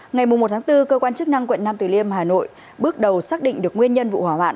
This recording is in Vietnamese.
ngày một bốn cơ quan chức năng quận nam từ liêm hà nội bước đầu xác định được nguyên nhân vụ hỏa hoạn